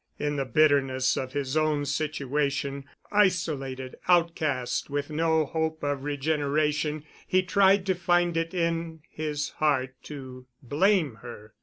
In the bitterness of his own situation—isolated, outcast, with no hope of regeneration, he tried to find it in his heart to blame her.